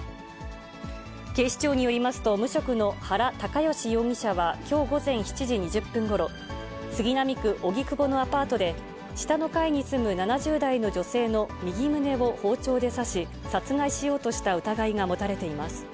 警視庁によりますと、無職の原孝義容疑者はきょう午前７時２０分ごろ、杉並区荻窪のアパートで、下の階に住む７０代の女性の右胸を包丁で刺し、殺害しようとした疑いが持たれています。